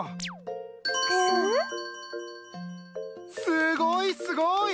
すごいすごい！